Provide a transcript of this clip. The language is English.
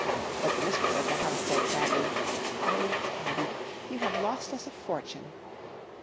But the Mistress of the house said sadly, 'Oh, Tabby! you have lost us a fortune!'